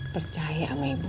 percaya sama ibu